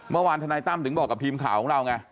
เมื่อวานทนายตั้มถึงบอกกับพรีมข่าวของเราไง